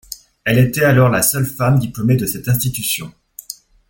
Elle était alors la seule femme diplômée de cette institution.